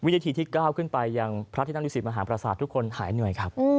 พอวิทยาทีที่๙ขึ้นไปยังพระธนุษย์ศิลป์มหาภาษาทุกคนหายเหนื่อยครับ